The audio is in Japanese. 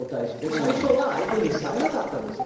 最初は相手にされなかったんですよ。